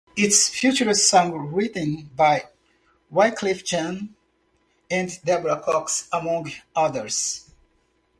It features songs written by Wyclef Jean and Deborah Cox, among others.